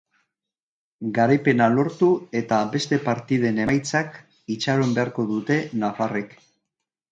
Garaipena lortu eta beste partiden emaitzak itxaron beharko dute nafarrek.